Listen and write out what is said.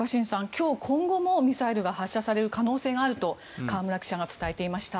今日今後もミサイルが発射される可能性があると河村記者が伝えていました。